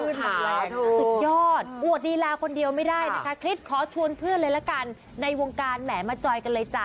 สุดยอดอวดลีลาคนเดียวไม่ได้นะคะคลิปขอชวนเพื่อนเลยละกันในวงการแหมมาจอยกันเลยจ้ะ